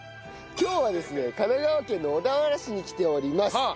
今日はですね神奈川県の小田原市に来ております。